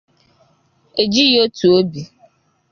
ejighị otu obi.